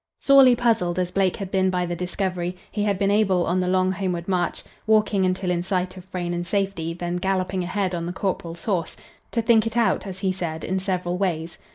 Sorely puzzled as Blake had been by the discovery, he had been able on the long homeward march, walking until in sight of Frayne and safety, then galloping ahead on the corporal's horse, to think it out, as he said, in several ways.